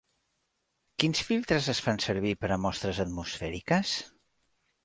Quins filtres es fan servir per a mostres atmosfèriques?